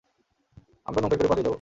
আমরা নৌকায় করে পালিয়ে যাব!